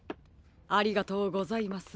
ありがとうございます。